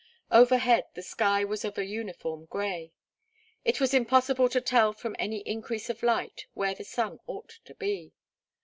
Overhead the sky was of a uniform grey. It was impossible to tell from any increase of light where the sun ought to be.